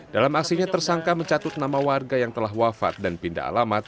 dalam aksinya tersangka mencatut nama warga yang telah wafat dan pindah alamat